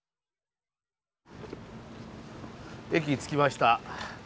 駅着きました。